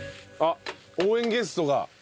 あっ応援ゲストが。